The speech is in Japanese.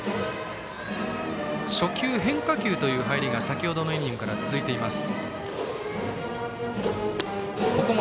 初球、変化球という入りが先ほどのイニングから続いています。